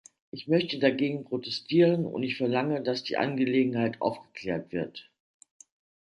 Ich möchte dagegen protestieren, und ich verlange, dass die Angelegenheit aufgeklärt wird!